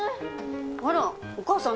あらお母さん